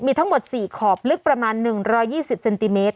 มีทั้งหมด๔ขอบลึกประมาณ๑๒๐เซนติเมตร